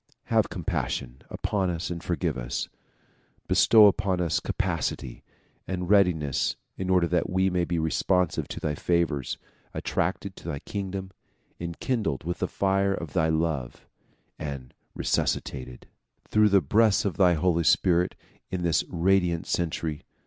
have com passion upon us and forgive us ; bestow upon us capacity and read iness in order that we may be responsive to thy favors, attracted to thy kingdom, enkindled with the fire of thy love and resuscitated DISCOURSES DELIVERED IN NEW YORK 145 through the breaths of thy Holy Spirit in this radiant century.